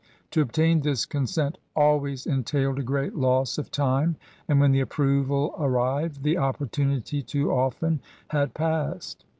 To obtain this consent always entailed a great loss of time, and when the approval arrived the opportunity too often had passed.